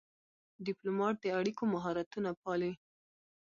ډيپلومات د اړیکو مهارتونه پالي.